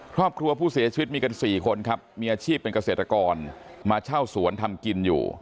ครอบครัวผู้เสียชีวิตมีกัน๔คนครับมีอาชีพเป็นเกษตรกรมาเช่าสวนทำกินอยู่